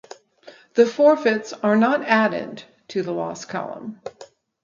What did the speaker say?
The forfeits are not added to the loss column.